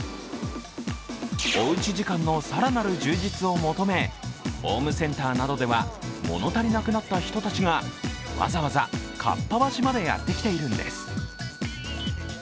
おうち時間の更なる充実を求めホームセンターなどでは物足りなくなった人たちがわざわざかっぱ橋までやってきているんです。